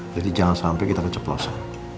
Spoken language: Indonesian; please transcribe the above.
jadi jangan sampe kita keceplosa